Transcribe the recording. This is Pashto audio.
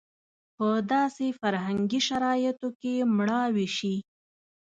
په داسې فرهنګي شرایطو کې مړاوې شي.